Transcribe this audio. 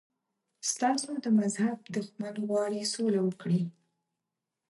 ستاسو د مذهب دښمن غواړي سوله وکړي.